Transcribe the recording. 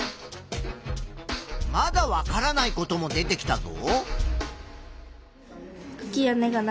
まだわからないことも出てきたぞ。